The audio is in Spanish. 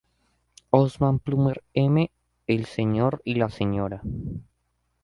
Osman Plummer M, el Sr. y la Sra.